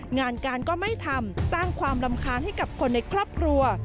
งานการก็ไม่ทำสร้างความรำคาญให้กับคนในครอบครัว